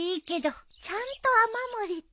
ちゃんと雨漏りって。